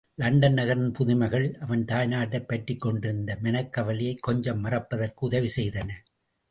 London நகரின் புதுமைகள் அவன் தாய்நாட்டைப் பற்றிக் கொண்டிருந்த மனக்கவலையைக் கொஞ்சம் மறப்பதற்கு உதவி செய்தன.